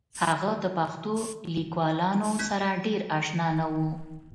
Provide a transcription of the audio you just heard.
هغه د پښتو لیکوالانو سره ډېر اشنا نه و